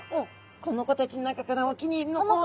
この子たちの中からお気に入りの子を。